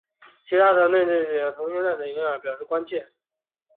其他团体对准许同性恋者领养儿童表示关切。